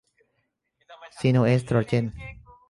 ซีโนเอสโตรเจน